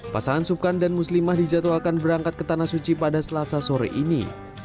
pasangan subkan dan muslimah dijadwalkan berangkat ke tanah suci pada selasa sore ini